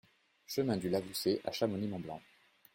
Chemin du Lavoussé à Chamonix-Mont-Blanc